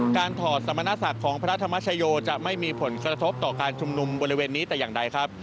ถอดสมณศักดิ์ของพระธรรมชโยจะไม่มีผลกระทบต่อการชุมนุมบริเวณนี้แต่อย่างใดครับ